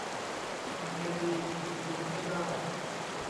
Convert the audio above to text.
ทำไงดีหยุดดูไม่ได้